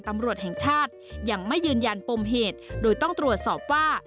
ตำรวจแห่งชาติยังไม่ยืนยันปมเหตุโดยต้องตรวจสอบว่า